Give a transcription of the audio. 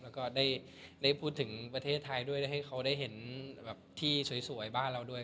แล้วก็ได้พูดถึงประเทศไทยด้วยได้ให้เขาได้เห็นแบบที่สวยบ้านเราด้วย